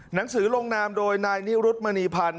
หนังสือลงนามโดยนายนิรุธมณีพันธ์